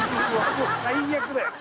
もう最悪だよ